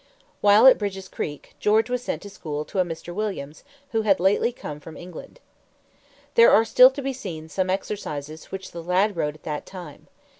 While at Bridge's Creek, George was sent to school to a Mr. Williams, who had lately come from England. There are still to be seen some exercises which the lad wrote at that time.